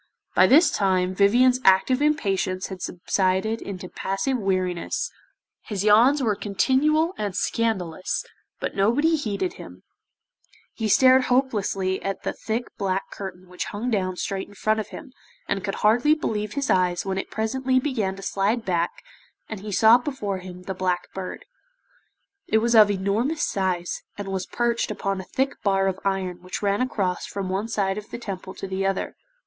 By this time Vivien's active impatience had subsided into passive weariness, his yawns were continual and scandalous, but nobody heeded him, he stared hopelessly at the thick black curtain which hung down straight in front of him, and could hardly believe his eyes when it presently began to slide back, and he saw before him the Black Bird. It was of enormous size, and was perched upon a thick bar of iron which ran across from one side of the Temple to the other.